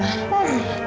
yang sepupu banget